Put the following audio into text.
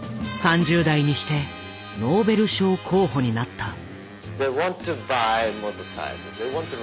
３０代にしてノーベル賞候補になった。